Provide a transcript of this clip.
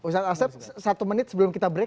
ustadz asep satu menit sebelum kita break